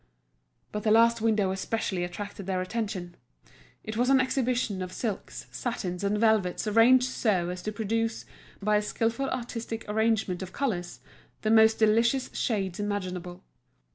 But the last window especially attracted their attention. It was an exhibition of silks, satins, and velvets, arranged so as to produce, by a skilful artistic arrangement of colours, the most delicious shades imaginable.